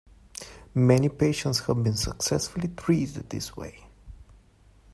Many patients have been successfully treated this way.